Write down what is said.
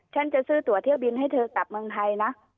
ฉันจะซื้อตัวเที่ยวบินให้เธอกลับเมืองไทยนะ